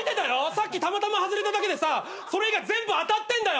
さっきたまたま外れただけでさそれ以外全部当たってんだよ！